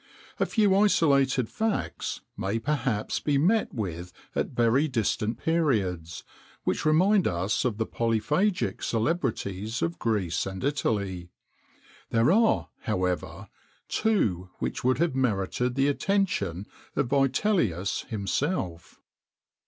A few isolated facts may perhaps be met with at very distant periods, which remind us of the polyphagic celebrities of Greece and Italy. There are, however, two which would have merited the attention of Vitellius himself.